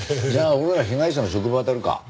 じゃあ俺らは被害者の職場あたるか。